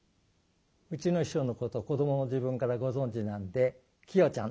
うちの師匠のことを子どもの時分からご存じなんで「きよちゃん」。